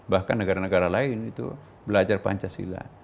bahkan negara negara lain itu belajar pancasila